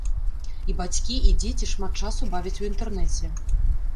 І бацькі, і дзеці шмат часу бавяць у інтэрнэце.